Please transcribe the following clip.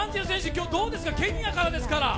今日はどうですか、ケニアからですから。